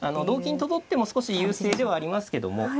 同金と取っても少し優勢ではありますけども。